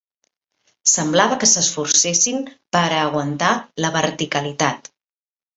Semblava que s'esforcessin per a aguantar la verticalitat